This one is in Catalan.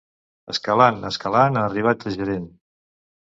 Escalant, escalant, ha arribat a gerent.